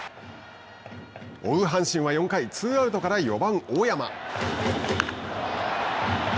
追う阪神は４回ツーアウトから４番大山。